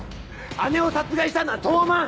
姉を殺害したのは東卍！